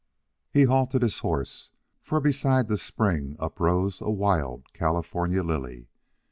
He halted his horse, for beside the spring uprose a wild California lily.